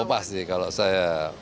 oh pasti kalau saya